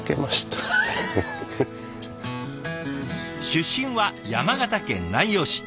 出身は山形県南陽市。